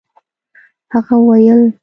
هغه وويل.